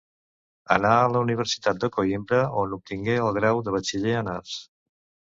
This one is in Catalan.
Anà a la Universitat de Coïmbra, on obtingué el grau de batxiller en arts.